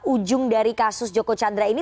ujung dari kasus joko chandra ini